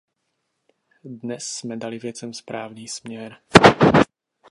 Dnes jsme dali věcem správný směr.